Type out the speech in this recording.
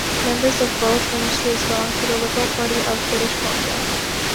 Members of both ministries belonged to the Liberal Party of British Columbia.